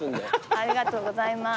ありがとうございます。